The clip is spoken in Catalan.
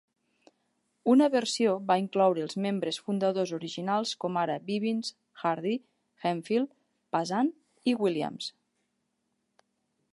Una versió va incloure els membres fundadors originals com ara Bivins, Hardy, Hemphill, Pazant i Williams.